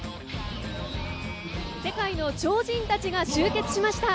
世界の超人たちが集結しました。